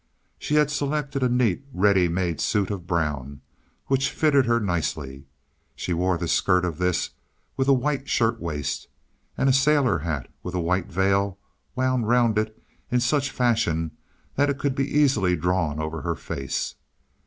She had selected a neat, ready made suit of brown, which fitted her nicely. She wore the skirt of this with a white shirt waist, and a sailor hat with a white veil wound around it in such fashion that it could be easily drawn over her face.